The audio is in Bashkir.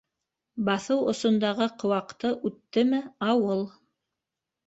Баҫыу осондағы кыуаҡты үттеме - ауыл.